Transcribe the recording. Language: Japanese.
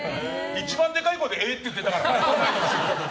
一番でかい声でえー！って言ってたからね。